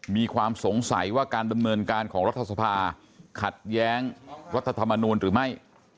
มีความสงสัยว่าการดำเนินการของรัฐสภาขัดแย้งรัฐธรรมนูลหรือไม่